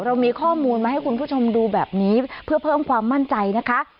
เรามีข้อมูลมาให้คุณผู้ชมดูแบบนี้เพื่อเพิ่มความมั่นใจนะคะ